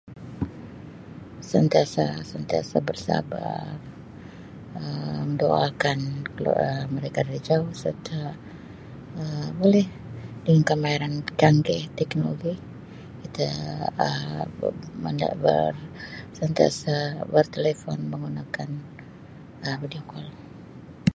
"Sentiasa-sentiasa bersabar, Um doakan [unintelligible] Um boleh dengan kemahiran canggih teknologi, kita Um [unintelligible] sentiasa bertelefon menggunakan Um ""video call"""